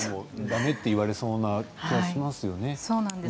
だめと言われそうな気がしますよね。